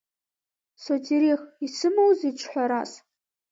Сотерих исымоузеи ҿҳәарас?